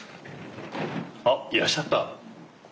あっいらっしゃった。